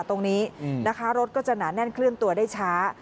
ตรงนี้นะคะรถก็จะหนาแน่นเคลื่อนตัวได้ช้า